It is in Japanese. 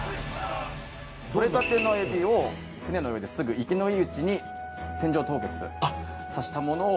獲れたてのえびを船の上ですぐ活きのいいうちに船上凍結させたものを。